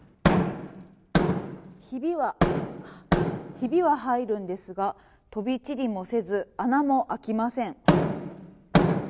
ひびは入るんですが飛び散りもせず穴も開きません。